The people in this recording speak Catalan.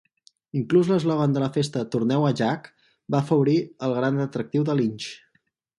Inclús l'eslògan de la festa "Torneu a Jack" va afavorir el gran atractiu de Lynch.